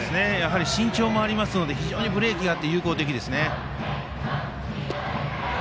身長もありますので非常にブレーキがあって有効的ですね。